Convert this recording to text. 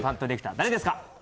誰ですか？